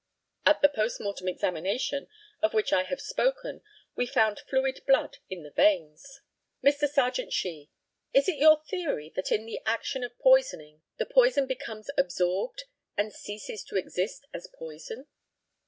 At the post mortem examination of which I have spoken we found fluid blood in the veins. Mr. Serjeant SHEE: Is it your theory that in the action of poisoning the poison becomes absorbed, and ceases to exist as poison?